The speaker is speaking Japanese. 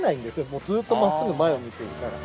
もうずっと真っすぐ前を向いてるから。